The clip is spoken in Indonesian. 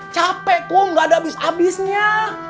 capek kum nggak ada abis abisnya